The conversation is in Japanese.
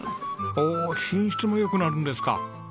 ほう品質も良くなるんですか。